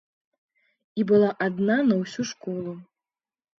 І была адна на ўсю школу.